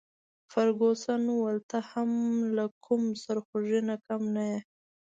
فرګوسن وویل: ته هم له کوم سرخوږي نه کم نه يې.